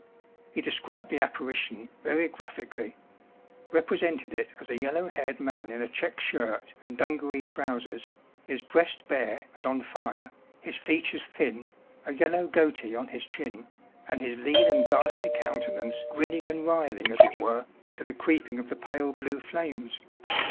He described the apparition very graphically — ^represented it as a yellow haired man in a check shirt and dungaree trousers, his breast bare and on fire, his features thin, a yellow goatee on his chin, and his lean and ghastly countenance grinning and writhing, as it were, to the creeping of the pale blue fiames.